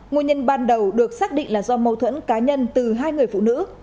nguồn nhân ban đầu được xác định là do mâu thuẫn cá nhân từ hai người phụ nữ